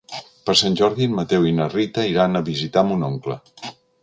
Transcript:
Per Sant Jordi en Mateu i na Rita iran a visitar mon oncle.